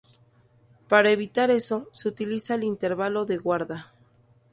Para evitar eso, se utiliza el intervalo de guarda.